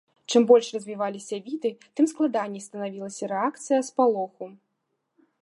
Чым больш развіваліся віды, тым складаней станавілася рэакцыя спалоху.